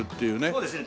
そうですね。